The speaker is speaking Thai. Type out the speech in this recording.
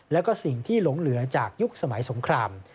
แล้วก็สิ่งที่หลงเหลือจากยุคสมัยสงคราม